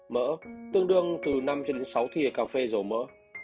mỡ tương đương từ năm sáu thịa cà phê dầu mỡ